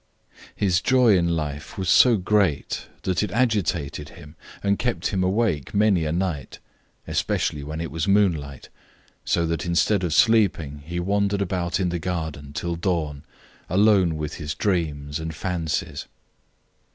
His joy in life was so great that it agitated him, and kept him awake many a night, especially when it was moonlight, so that instead of sleeping he wandered about in the garden till dawn, alone with his dreams and fancies.